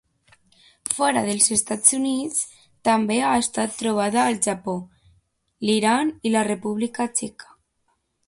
Fora dels Estats Units també ha estat trobada al Japó, l'Iran i la República Txeca.